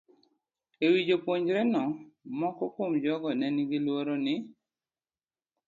E wi japuonjreno, moko kuom jogo ma ne nigi luoro ni